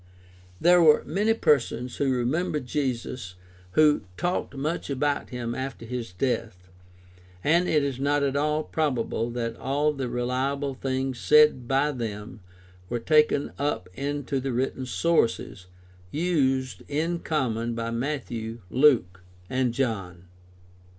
There were many persons who remembered Jesus and who talked much about him after his death, and it is not at all probable that all the reliable things said by them were taken up into the written sources used in common by Matthew, Luke, and John.